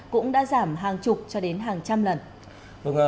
cũng đã giảm hàng chục cho đến hàng trăm lần